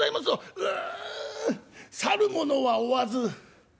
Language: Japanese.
「うう去る者は追わず」。